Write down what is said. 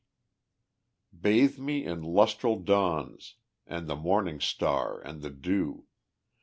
"Bathe me in lustral dawns, and the morning star and the dew.